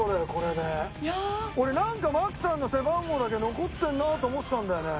俺なんか槙さんの背番号だけ残ってるなと思ってたんだよね。